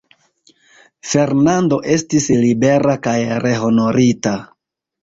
Fernando estis libera kaj rehonorita.